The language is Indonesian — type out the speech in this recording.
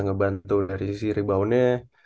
ngebantu dari sisi reboundnya